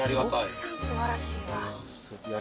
奥さん素晴らしいわ。